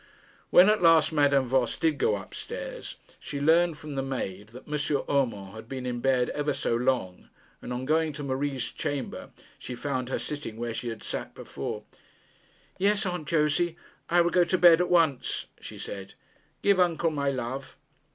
When at last Madame Voss did go up stairs, she learned from the maid that M. Urmand had been in bed ever so long; and on going to Marie's chamber, she found her sitting where she had sat before. 'Yes, Aunt Josey, I will go to bed at once,' she said. 'Give uncle my love.'